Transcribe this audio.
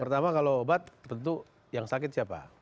pertama kalau obat tentu yang sakit siapa